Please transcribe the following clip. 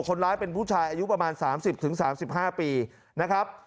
คนร้ายเป็นผู้ชายอายุประมาณ๓๐๓๕ปีนะครับ